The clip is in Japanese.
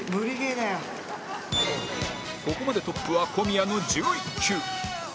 ここまでトップは小宮の１１球